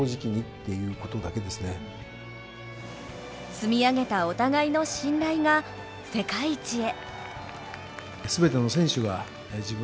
積み上げたお互いの信頼が世界一へ。